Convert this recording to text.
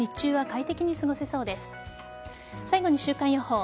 最後に週間予報。